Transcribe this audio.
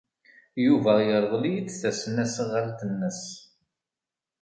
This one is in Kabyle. Yuba yerḍel-iyi-d tasnasɣalt-nnes.